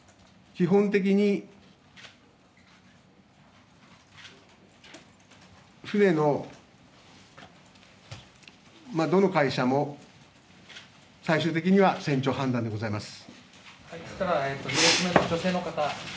基本的に船のどの会社も最終的には船長判断でございます。